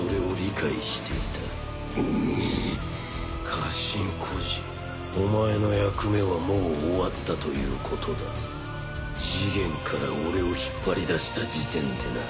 果心居士お前の役目はもう終わったということだジゲンから俺を引っ張り出した時点でな。